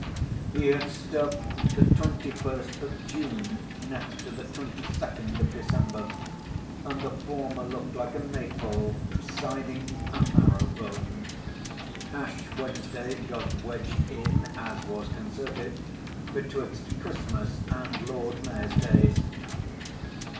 He had stuck the Twenty First of June next to the Twenty Second of December, and the former looked like a Maypole siding a marrow bone. Ash Wednesday got wedged in (as was concerted) betwixt Christmas and Lord Mayor's Days.